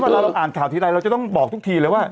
ก็คิดว่าเราอ่านข่าวทีใดเราจะต้องบอกทุกทีเลยว่า